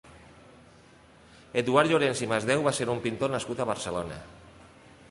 Eduard Llorens i Masdeu va ser un pintor nascut a Barcelona.